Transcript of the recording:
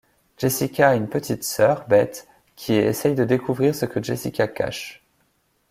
Jessica a une petite sœur, Beth, qui essaye de découvrir ce que Jessica cache.